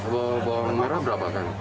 bawang merah berapa kan